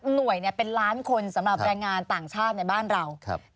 หน่วยเป็นล้านคนสำหรับแรงงานต่างชาติในบ้านเรา